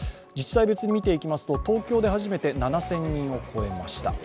自治体別に見ていきますと東京で初めて７０００人を超えました。